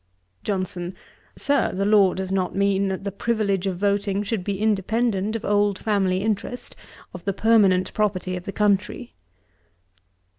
JOHNSON. 'Sir, the law does not mean that the privilege of voting should be independent of old family interest; of the permanent property of the country.'